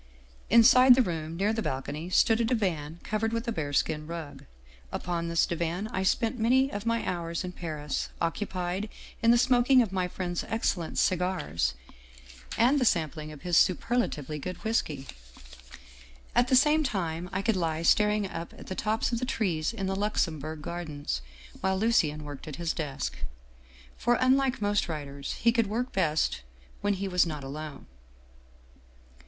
Inside the room, near the balcony, stood a divan covered with a bearskin rug. Upon this divan I spent many of my hours in Paris, occupied in the smoking of my friend's excellent cigars, and the sampling of his 261 Scandinavian Mystery Stories superlatively good whisky. At the same time I could lie staring up at the tops of the trees in the Luxembourg Gar dens, while Lucien worked at his desk. For, unlike most writers, he could work best when he was not alone.